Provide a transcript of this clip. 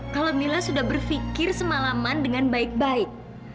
kalau mila sudah berpikir semalaman dengan baik baik